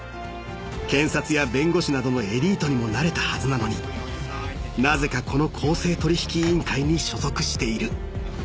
［検察や弁護士などのエリートにもなれたはずなのになぜかこの公正取引委員会に所属している］